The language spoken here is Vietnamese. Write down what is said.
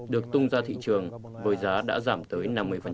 được tung ra thị trường với giá đã giảm tới năm mươi